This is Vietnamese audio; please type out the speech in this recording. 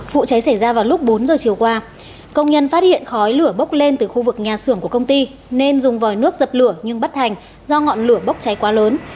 vụ cháy xảy ra vào lúc bốn giờ chiều qua công nhân phát hiện khói lửa bốc lên từ khu vực nhà xưởng của công ty nên dùng vòi nước dập lửa nhưng bất hành do ngọn lửa bốc cháy quá lớn